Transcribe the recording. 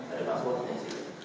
ada passwordnya di sini